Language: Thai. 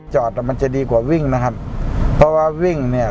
อ่ะมันจะดีกว่าวิ่งนะครับเพราะว่าวิ่งเนี่ย